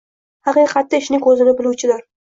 haqiqatda ishni ko‘zini biluvchidir.